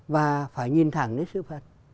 và phải nhìn thẳng đến sự thật